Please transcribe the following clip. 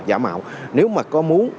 giả mạo nếu mà có muốn